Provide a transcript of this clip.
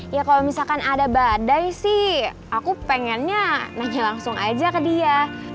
ya kalau misalkan ada badai sih aku pengennya nanya langsung aja ke dia